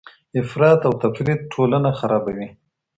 افراط او تفريط ټولنه خرابوي.